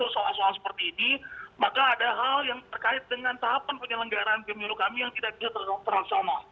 soal soal seperti ini maka ada hal yang terkait dengan tahapan penyelenggaraan pemilu kami yang tidak bisa terlaksana